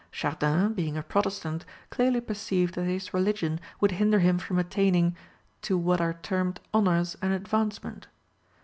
Chardin, being a protestant, clearly perceived that his religion would hinder him from attaining "to what are termed honours and advancement."